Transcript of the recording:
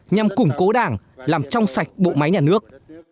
nhằm củng cố đảng làm trong sạch bộ máy nhà nước